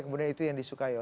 kemudian itu yang disukai